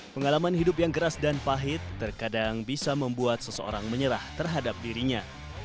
pengalaman hidup yang keras dan pahit terkadang bisa membuat seseorang menyerah terhadap dirinya